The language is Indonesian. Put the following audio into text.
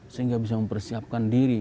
sehingga bisa mempersiapkan diri